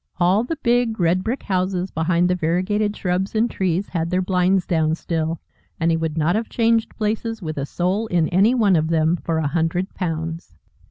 All the big red brick houses behind the variegated shrubs and trees had their blinds down still, and he would not have changed places with a soul in any one of them for a hundred pounds.